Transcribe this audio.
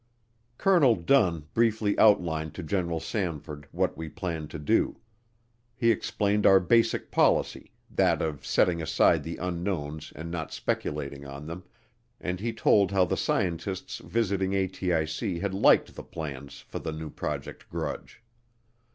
Colonel Dunn briefly outlined to General Samford what we planned to do. He explained our basic policy, that of setting aside the unknowns and not speculating on them, and he told how the scientists visiting ATIC had liked the plans for the new Project Grudge.